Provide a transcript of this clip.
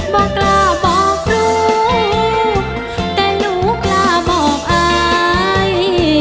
บอกกล้าบอกครูแต่หนูกล้าบอกอาย